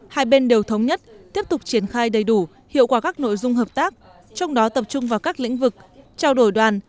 hai bên đều thống nhất tiếp tục triển khai đầy đủ hiệu quả các nội dung hợp tác trong đó tập trung vào các lĩnh vực trao đổi đoàn